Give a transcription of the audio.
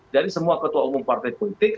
jadi semua ketua umum partai politik